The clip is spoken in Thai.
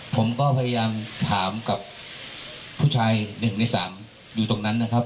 ผมก็พยายามถามกับผู้ชาย๑ใน๓อยู่ตรงนั้นนะครับ